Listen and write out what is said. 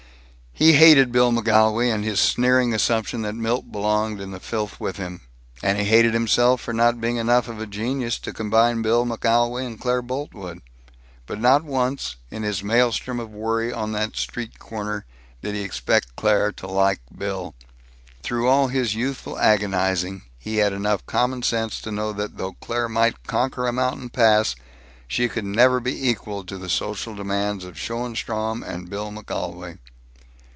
He hated Bill McGolwey and his sneering assumption that Milt belonged in the filth with him. And he hated himself for not being enough of a genius to combine Bill McGolwey and Claire Boltwood. But not once, in his maelstrom of worry on that street corner, did he expect Claire to like Bill. Through all his youthful agonizing, he had enough common sense to know that though Claire might conquer a mountain pass, she could never be equal to the social demands of Schoenstrom and Bill McGolwey.